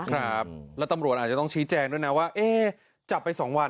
ครับแล้วตำรวจอาจจะต้องชี้แจงด้วยนะว่าเอ๊ะจับไปสองวัน